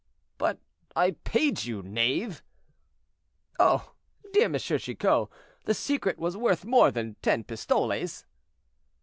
"But I paid you, knave." "Oh! dear M. Chicot, the secret was worth more than ten pistoles."